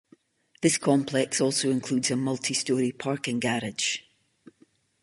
This complex also includes a multistory parking garage.